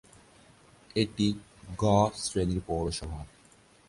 এটি "গ" শ্রেণীর পৌরসভা।